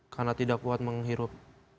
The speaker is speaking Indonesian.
karena tidak kuat menghirup